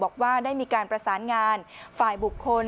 บอกว่าได้มีการประสานงานฝ่ายบุคคล